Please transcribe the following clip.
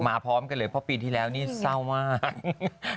พร้อมกันเลยเพราะปีที่แล้วนี่เศร้ามาก